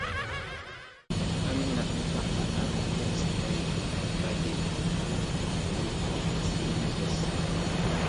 Tamen la antaŭa revenas kaj tragedio alproksimiĝas.